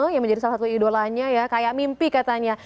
yang menjadi salah satu idolanya ya kayak mimpi katanya